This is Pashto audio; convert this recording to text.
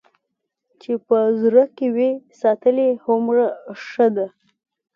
چې په زړه کې وي ساتلې هومره ښه ده.